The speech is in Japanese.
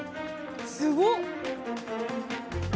すごっ！